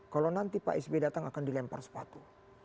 kalau nanti pak sby datang akan dilempar sepatu